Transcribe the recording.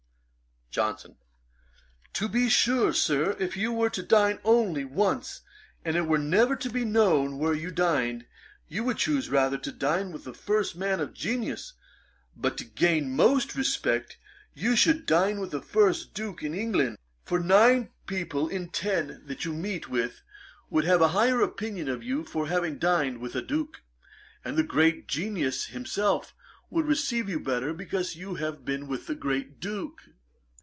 JOHNSON. 'To be sure, Sir, if you were to dine only once, and it were never to be known where you dined, you would choose rather to dine with the first man for genius; but to gain most respect, you should dine with the first Duke in England. For nine people in ten that you meet with, would have a higher opinion of you for having dined with a Duke; and the great genius himself would receive you better, because you had been with the great Duke.'